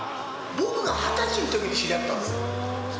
僕が２０歳のときに知り合ったんです。